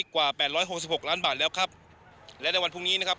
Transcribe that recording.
กว่า๘๖๖ล้านบาทแล้วครับและในวันพรุ่งนี้นะครับ